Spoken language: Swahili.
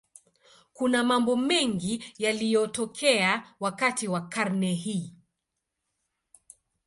Kuna mambo mengi yaliyotokea wakati wa karne hii.